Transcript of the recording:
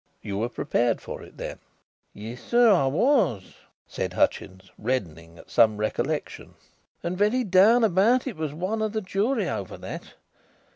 "You were prepared for it then?" "Yes, sir, I was," said Hutchins, reddening at some recollection, "and very down about it was one of the jury over that.